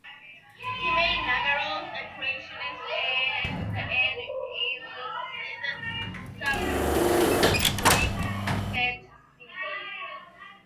He made numerous appearances as an unused substitute during that season.